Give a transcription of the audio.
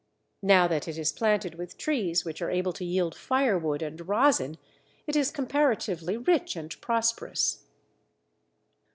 Now that it is planted with trees which are able to yield firewood and rosin, it is comparatively rich and prosperous.